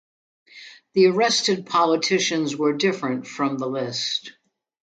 The arrested politicians were different from the list.